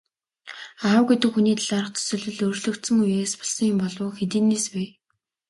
Аав гэдэг хүний талаарх төсөөлөл өөрчлөгдсөн үеэс болсон юм болов уу, хэдийнээс вэ?